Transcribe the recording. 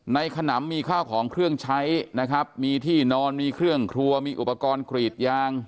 ขนำมีข้าวของเครื่องใช้นะครับมีที่นอนมีเครื่องครัวมีอุปกรณ์กรีดยาง